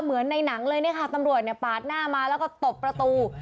เหมือนในหนังเลยนะคะตำรวจปาดหน้ามาแล้วก็ตบประตู